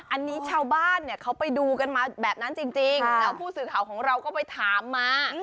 อันนี้ชาวบ้านเนี่ยเขาไปดูกันมาแบบนั้นจริงแล้วผู้สื่อข่าวของเราก็ไปถามมา